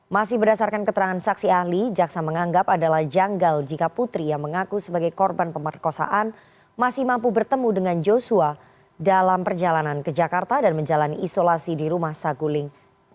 masih berdasarkan keterangan saksi ahli jaksa menganggap adalah janggal jika putri yang mengaku sebagai korban pemerkosaan masih mampu bertemu dengan joshua dalam perjalanan ke jakarta dan menjalani isolasi di rumah saguling